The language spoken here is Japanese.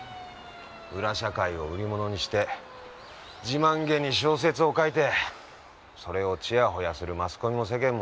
裏社会を売り物にして自慢げに小説を書いてそれをちやほやするマスコミも世間もどうかしとる。